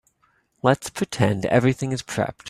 Let's pretend everything is prepped.